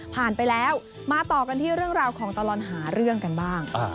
ไปแล้วมาต่อกันที่เรื่องราวของตลอดหาเรื่องกันบ้าง